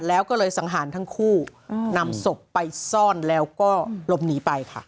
แล้วก็เลยสังหารทั้งคู่นำศพไปซ่อนแล้วก็หลบหนีไปค่ะ